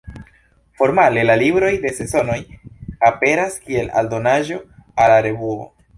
Formale la libroj de Sezonoj aperas kiel aldonaĵo al la revuo.